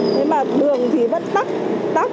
nhưng mà đường thì vẫn tắc